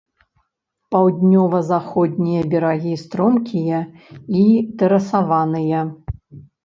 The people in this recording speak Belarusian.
Паўднёва-заходнія берагі стромкія і тэрасаваныя.